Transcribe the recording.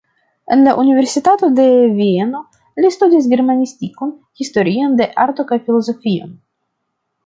En la universitato de Vieno li studis germanistikon, historion de arto kaj filozofion.